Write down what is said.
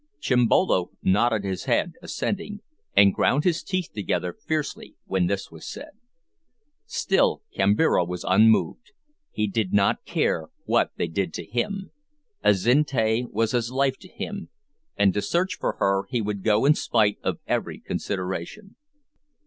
Chimbolo nodded his head, assenting, and ground his teeth together fiercely when this was said. Still Kambira was unmoved; he did not care what they did to him. Azinte was as life to him, and to search for her he would go in spite of every consideration.